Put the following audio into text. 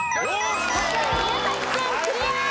宮崎県クリア。